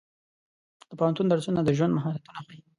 د پوهنتون درسونه د ژوند مهارتونه ښيي.